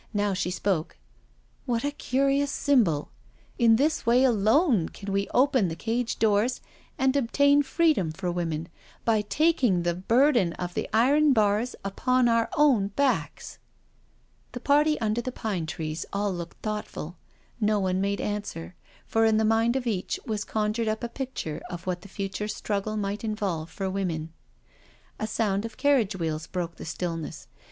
Now she spoke: "What a curious symbol I In this way alone can we open the cage doors and obtain freedom for women— by taking the burden of the iron bars upon our own backs I" The party under the pine trees all looked thoughtful — ^no one made answer, for in the mind of each one was conjured up a picture of what the future struggle might involve for women. A sound of carriage wheels broke the stillness.